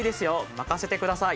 任せてください。